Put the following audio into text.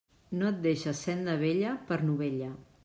No et deixes senda vella per novella.